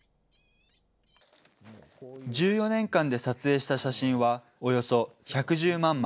１４年間で撮影した写真はおよそ１１０万枚。